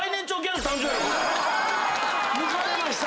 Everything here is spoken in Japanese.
抜かれました！